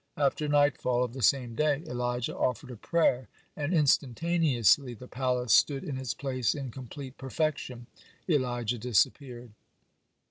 After nightfall of the same day, Elijah offered a prayer, and instantaneously the palace stood in its place in complete perfection. Elijah disappeared.